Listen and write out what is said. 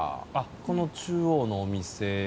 この中央のお店。